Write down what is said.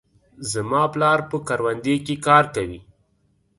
زما پلار په کروندې کې کار کوي.